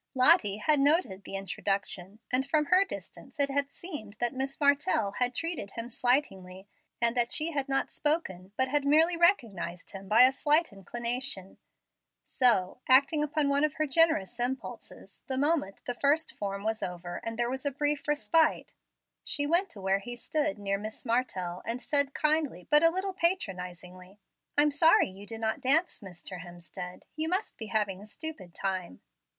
Lottie had noted the introduction, and from her distance it had seemed that Miss Martell had treated him slightingly, and that she had not spoken, but had merely recognized him by a slight inclination; so, acting upon one of her generous impulses, the moment the first form was over and there was a brief respite, she went to where he stood near Miss Martell, and said kindly, but a little patronizingly, "I'm sorry you do not dance, Mr. Hemstead. You must be having a stupid time."